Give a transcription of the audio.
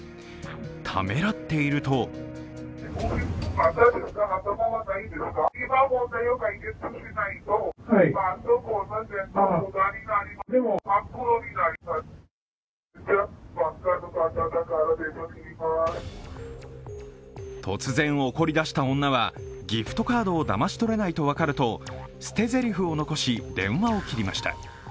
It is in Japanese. ためらっていると突然怒りだした女はギフトカードをだまし取れないと分かると、捨てぜりふを残し電話を切りました。